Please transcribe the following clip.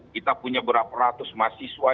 kita punya berapa ratus mahasiswa